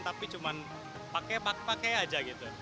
tapi cuma pakai aja gitu